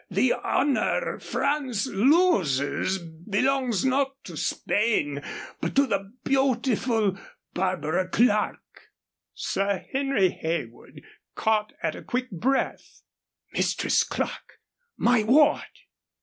The honor France loses belongs not to Spain, but to the beautiful Barbara Clerke.'" Sir Henry Heywood caught at a quick breath. "Mistress Clerke! My ward!"